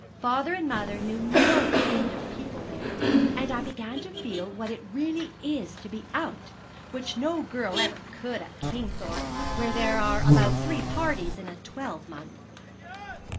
Father and mother knew no end of people there, and I began to feel what it really is to be out, which no girl ever could at Kingthorpe, where there are about three parties in a twelvemonth.